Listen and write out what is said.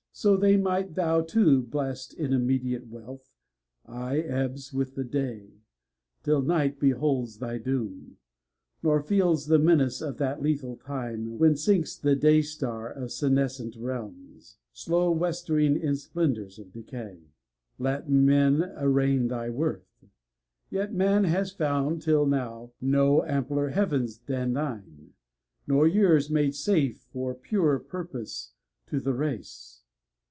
So thy might— thou too blessed in immediate wealth I — Ebbs with the day, till night behold thy doom, Nor feels the menace of that lethal time When sinks the day star of senescent realms, Slow westering in splendors of decay." Let men arraign thy worth ; yet Man has found Till now no ampler heavens than thine, nor years Made safe for purer purpose to the race.